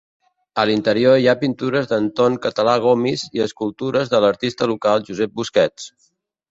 A l'interior hi ha pintures d'Anton Català Gomis i escultures de l'artista local Josep Busquets.